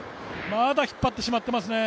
まだ引っ張ってしまっていますね。